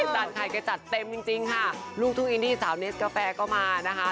ตัดไข่แกจัดเต็มจริงค่ะลูกทุ่งอินดี้สาวเนสกาแฟก็มานะคะ